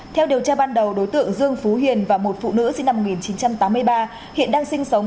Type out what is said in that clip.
theo điều tra ban đầu đối tượng dương phú hiền và một phụ nữ sinh năm một nghìn chín trăm tám mươi ba hiện đang sinh sống